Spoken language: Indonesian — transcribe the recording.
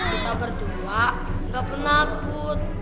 kita berdua gak penakut